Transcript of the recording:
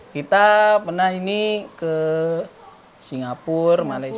kita pernah ini ke singapura malaysia